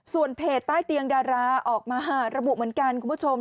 ส่วนเพจใต้เตียงดาราออกมาระบุเหมือนกันคุณผู้ชม